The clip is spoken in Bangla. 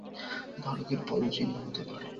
ভালুকের পদচিহ্ন হতে পারে।